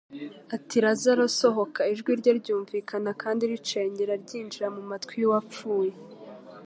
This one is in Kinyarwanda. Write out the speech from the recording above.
ati: "Lazaro sohoka!" Ijwi rye ryumvikana kandi ricengera ryinjira mu matwi y'uwapfuye.